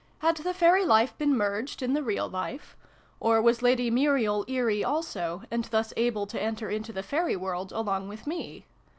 Had the fairy life been merged in the real life ? Or was Lady Muriel ' eerie ' also, and thus able to enter into the fairy world along with me